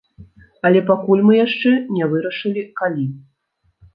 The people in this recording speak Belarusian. Але пакуль мы яшчэ не вырашылі, калі.